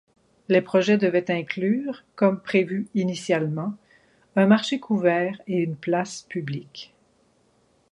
Les projets devaient inclure, comme prévu initialement, un marché couvert et une place publique.